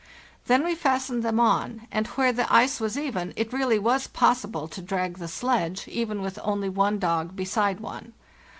Then we fastened them on, and where the ice was even it really was possible to drag the sledge, even with only one dog beside one.